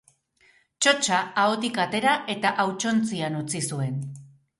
Txotxa ahotik atera eta hautsontzian utzi zuen.